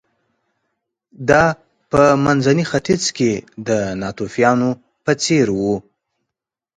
دا په منځني ختیځ کې د ناتوفیانو په څېر و